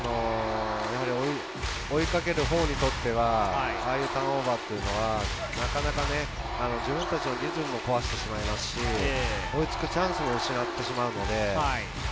追いかけるほうにとっては、ああいったターンオーバーは自分たちのリズムを壊してしまいますし追いつくチャンスも失ってしまうので。